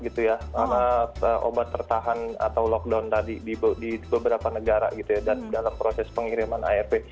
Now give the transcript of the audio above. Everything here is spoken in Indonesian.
karena obat tertahan atau lockdown tadi di beberapa negara gitu ya dan dalam proses pengiriman arp